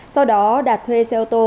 sau đó đạt thuê xe ô tô